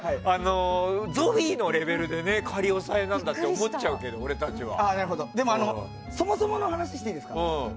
ゾフィーのレベルで仮押さえなんだって思っちゃうけどそもそもの話していいですか。